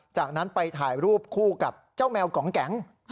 จากนั้นไปถ่ายรูปคู่กับเจ้าแมวกองแก๊ง